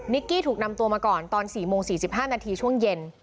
กี้ถูกนำตัวมาก่อนตอน๔โมง๔๕นาทีช่วงเย็น